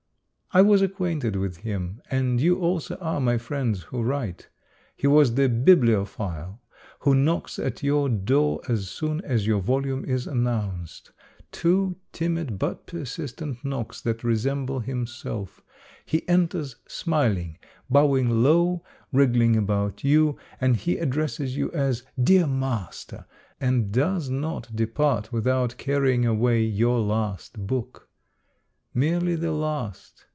I was acquainted with him, and you also are, my friends who write. He was the bibliophile who knocks at your door as soon as your volume is announced, — two timid but per sistent knocks that resemble himself He enters smiling, bowing low, wriggling about you, and he addresses you as '' dear master !" and does not depart without carrying away your last book. Merely the last